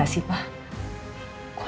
aku mau pergi ke rumah